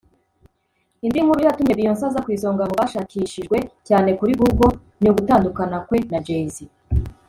Indi nkuru yatumye Beyonce aza ku isonga mu bashakishijwe cyane kuri Google ni ugutandukana kwe na Jay-Z